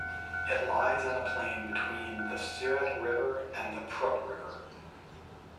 It lies on a plain between the Siret River and the Prut River.